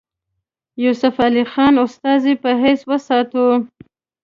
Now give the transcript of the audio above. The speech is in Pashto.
یوسف علي خان استازي په حیث واستاوه.